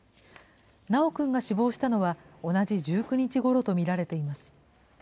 修くんが死亡したのは同じ１９日ごろと見られています。